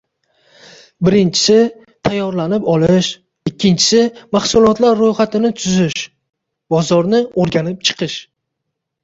birinchisi, tayyorlanib olish, ikkinchisi, mahsulotlar roʻyxatini tuzish, bozorni oʻrganib chiqish...”